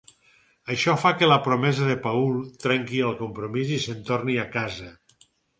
Això fa que la promesa de Paul trenqui el compromís i se’n torni a casa.